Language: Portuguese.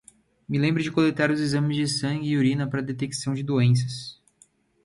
Me lembre de coletar os exames de sangue e urina para detecção de doenças